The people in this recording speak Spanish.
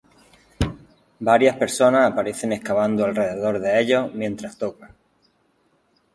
Varias personas aparecen excavando alrededor de ellos mientras tocan.